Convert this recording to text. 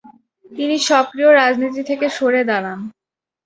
তিনি সক্রিয় রাজনীতি থেকে সরে দাঁড়ান।